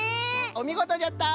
おみごとじゃった！